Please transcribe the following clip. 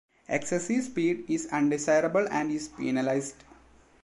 Excessive speed is undesirable and is penalized.